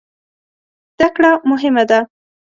زده کړه مهم ده